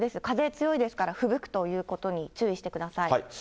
風強いですから、ふぶくということに注意してください。